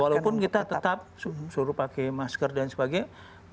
walaupun kita tetap suruh pakai masker dan sebagainya